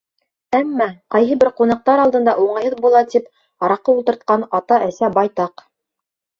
Әммә ҡайһы бер ҡунаҡтар алдында уңайһыҙ була тип, араҡы ултыртҡан ата-әсә байтаҡ.